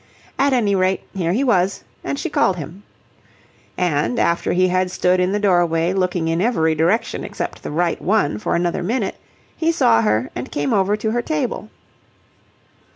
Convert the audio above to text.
At any rate, here he was, and she called him. And, after he had stood in the doorway looking in every direction except the right one for another minute, he saw her and came over to her table.